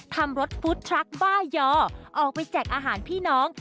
ทำรถฟู้ดทรัคบ้ายอออกไปแจกอาหารพี่น้อง